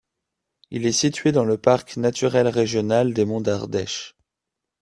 Il est situé dans le parc naturel régional des Monts d'Ardèche.